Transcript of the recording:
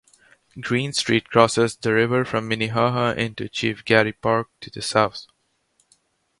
Greene Street crosses the river from Minnehaha into Chief Garry Park to the south.